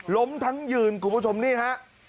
ล้มทั้งยืนคุณผู้ชมนี่ฮะ